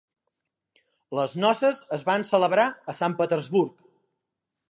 Les noces es van celebrar a Sant Petersburg.